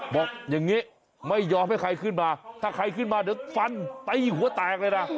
บอกอย่างนี้ไม่ยอมให้ใครขึ้นมาถ้าใครขึ้นมาเดี๋ยวฟันตีหัวแตกเลยนะ